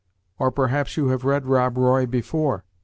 "Or perhaps you have read Rob Roy before?"